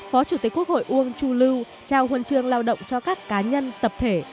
phó chủ tịch quốc hội uông chu lưu trao huân chương lao động cho các cá nhân tập thể